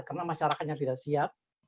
karena masyarakatnya tidak siap